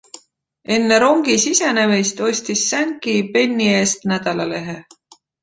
Enne rongi sisenemist ostis Sankey penni eest nädalalehe.